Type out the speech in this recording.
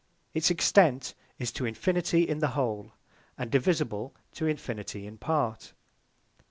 It's Extent is to Infinity, in the Whole; and divisible to Infinity in part.